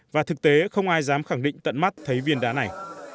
và thực tế không ai dám khẳng định tận mắt thấy viên đá này